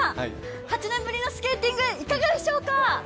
８年ぶりのスケーティング、いかがでしょうか。